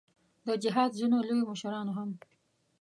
د جهاد ځینو لویو مشرانو هم.